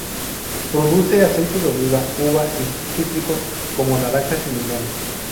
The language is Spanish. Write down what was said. Produce aceite de oliva, uva y cítricos, como naranjas y limones.